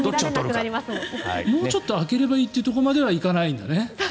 もうちょっと開ければいいというところまではいかないんだね。